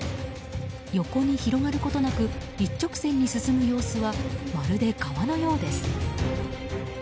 横に広がることなく一直線に進む様子はまるで川のようです。